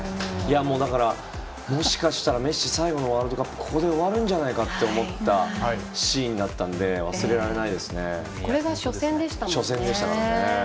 だから、もしかしたらメッシ、最後のワールドカップがここで終わるんじゃないかって思ったシーンだったのでこれが初戦でしたもんね。